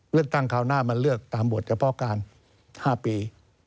เลือกตั้งคราวหน้ามันเลือกตามบทเฉพาะการ๕ปี